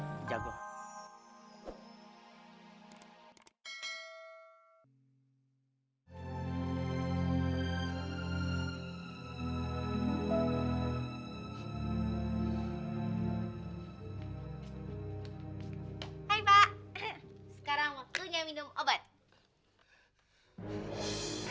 hai pak sekarang waktunya minum obat